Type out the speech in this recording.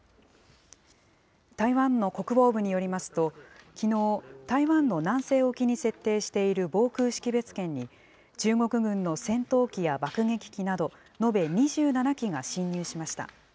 台湾の国防部によりますと、きのう、台湾の南西沖に設定している防空識別圏に、中国軍の戦闘機や爆撃機など、延べ２７機が進入しました。